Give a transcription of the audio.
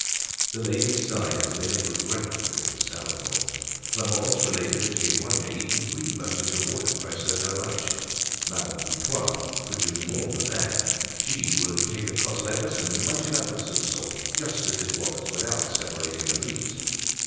The ladies sighed as they looked regretfully at the salad bowl. Clemence related that she had one day eaten three bunches of watercresses at her lunch. Madame Putois could do more than that, she would take a coss lettuce and munch it up with some salt just as it was without separating the leaves.